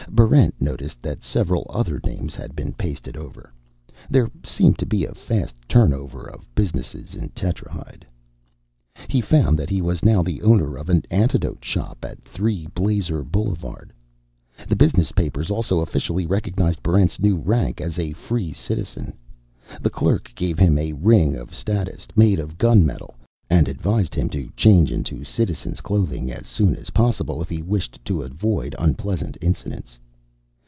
Barrent noticed that several other names had been pasted over. There seemed to be a fast turnover of businesses in Tetrahyde. He found that he was now the owner of an antidote shop at 3 Blazer Boulevard. The business papers also officially recognized Barrent's new rank as a Free Citizen. The clerk gave him a ring of status, made of gunmetal, and advised him to change into Citizen's clothing as soon as possible if he wished to avoid unpleasant incidents.